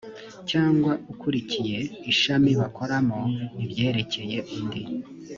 cyangwa ukuriye ishami bakoramo ibyerekeye undi